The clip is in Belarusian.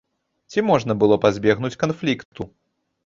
Ці можна было пазбегнуць канфлікту?